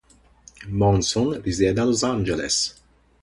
Monson risiede a Los Angeles.